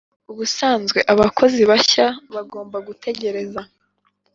Ubusanzwe abakozi bashya bagomba gutegereza